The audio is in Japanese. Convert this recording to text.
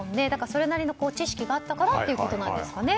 それなりの知識があったからということなんですかね。